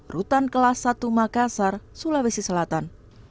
rutan kelas satu makassar sulawesi selatan